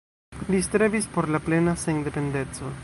Li strebis por la plena sendependeco.